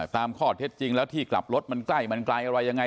ตามข้อเท็จจริงแล้วที่กลับรถมันใกล้มันไกลอะไรยังไง